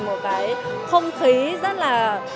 một cái không khí rất là